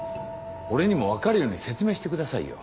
俺にも分かるように説明してくださいよ。